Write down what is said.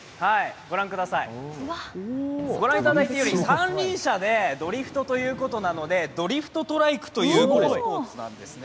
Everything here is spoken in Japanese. ご覧いただいているように三輪車でドリフトということなのでドリフトトライクというスポーツなんですね。